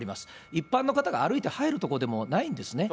一般の方が歩いて入る所でもないんですね。